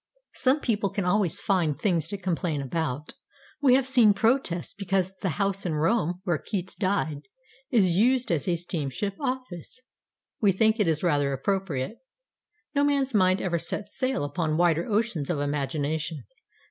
Some people can always find things to complain about. We have seen protests because the house in Rome where Keats died is used as a steamship office. We think it is rather appropriate. No man's mind ever set sail upon wider oceans of imagination.